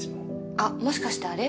あっもしかしてあれ？